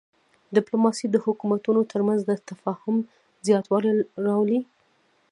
ډیپلوماسي د حکومتونو ترمنځ د تفاهم زیاتوالی راولي.